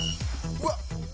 うわっ！